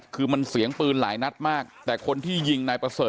คือมันเสียงปืนหลายนัดมากแต่คนที่ยิงนายประเสริฐ